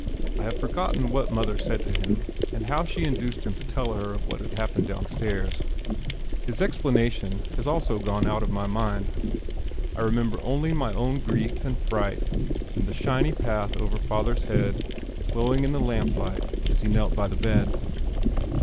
I have forgotten what mother said to him and how she induced him to tell her of what had happened downstairs. His explanation also has gone out of my mind. I remember only my own grief and fright and the shiny path over father's head glowing in the lamp light as he knelt by the bed.